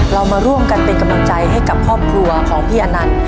เรามาร่วมกันเป็นกำลังใจให้กับครอบครัวของพี่อนันต์